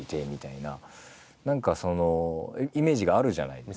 何かそのイメージがあるじゃないですか。